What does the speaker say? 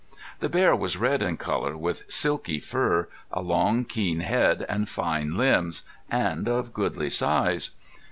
The bear was red in color, with silky fur, a long keen head, and fine limbs, and of goodly size.